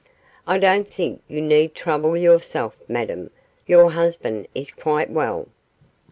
I don't think you need trouble yourself, Madame; your husband is quite well.